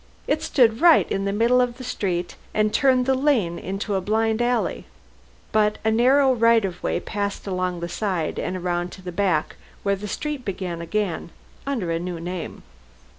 It stood right in the middle of the street and turned the lane into a blind alley, but a narrow right of way passed along the side and round to the back where the street began again under a new name.